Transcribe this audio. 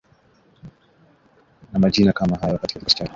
na majina kama hayo katika kikosi chake